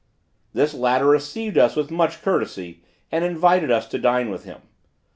This latter received us with much courtesy, and invited us to dine with him.